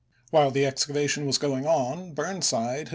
"While the excavation was going on Burnside had lsei.